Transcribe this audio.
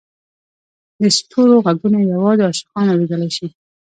د ستورو ږغونه یوازې عاشقان اورېدلای شي.